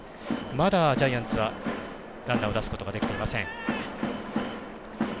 まだジャイアンツはランナーを出すことができていません。